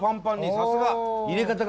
さすが！